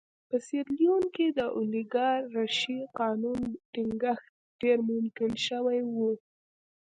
په سیریلیون کې د اولیګارشۍ قانون ټینګښت ډېر ممکن شوی و.